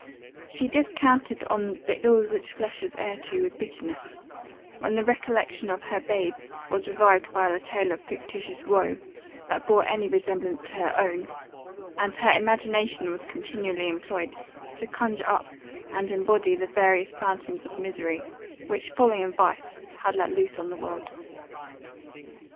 She descanted on "the ills which flesh is heir to," with bitterness, when the recollection of her babe was revived by a tale of fictitious woe, that bore any resemblance to her own; and her imagination was continually employed, to conjure up and embody the various phantoms of misery, which folly and vice had let loose on the world.